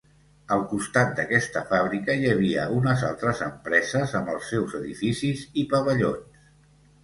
Al costat d’aquesta fàbrica hi havia unes altres empreses amb els seus edificis i pavellons.